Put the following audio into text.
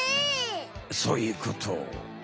そういうこと。